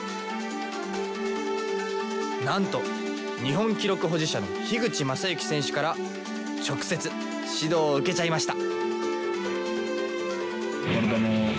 なんと日本記録保持者の口政幸選手から直接指導を受けちゃいました！